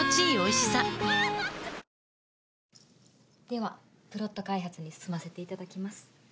ではプロット開発に進ませて頂きます。